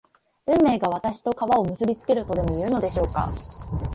運命が私と川を結びつけるとでもいうのでしょうか